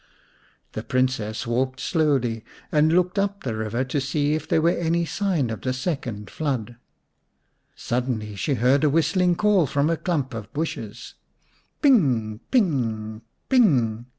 The Princess walked slowly and looked up the river to see if there were any signs of the second flood. Suddenly she heard a whistling call from a clump of bushes. "Ping! Ping! Ping!"